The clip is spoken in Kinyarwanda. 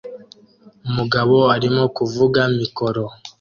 Umugabo arimo kuvuga mikoro